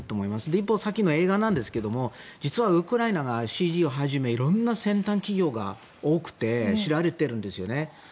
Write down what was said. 一方、さっきの映画ですが実はウクライナはＣＧをはじめ色んな先端企業が多くて知られてるんですよね。